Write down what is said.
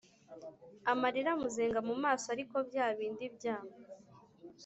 amarira amuzenga mumaso ariko byabindi bya